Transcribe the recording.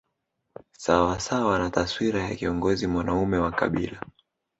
Sawa sawa na taswira ya kiongozi mwanaume wa kabila